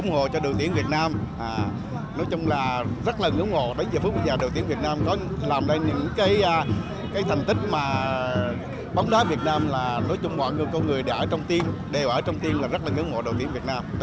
những thành tích bóng đá việt nam là mọi người ở trong tiên đều rất ngưỡng mộ đội tuyển việt nam